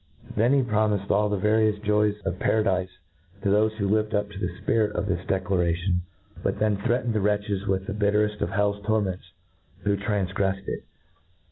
Then he promifed all the various joys of paradife to thofe who Hved up to the fpirit of this declsiv INTRODUCTION. xoj declaration ; but threatened the wretches with the bittereft of hell's torments who tranfgreffed it.